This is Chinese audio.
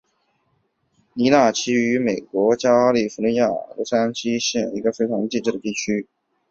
尼纳奇是位于美国加利福尼亚州洛杉矶县的一个非建制地区。